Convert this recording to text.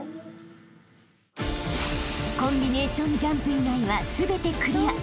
［コンビネーションジャンプ以外は全てクリア］